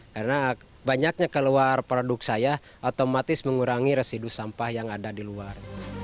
karena banyaknya keluar produk saya otomatis mengurangi residu sampah yang ada di luar